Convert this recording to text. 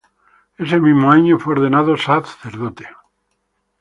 Este mismo año fue ordenado sacerdote.